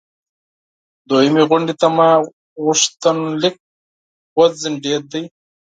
دوهمې غونډې ته مې غوښتنلیک وځنډیده.